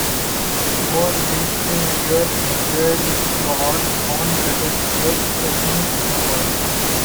More mainstream viewers enjoyed his broad, unpretentious ethnic humor.